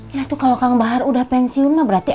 ya tuh kalau kang bahar udah pensiun lah berarti